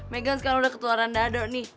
megan sekarang udah ketuaran dadok nih